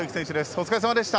お疲れさまでした。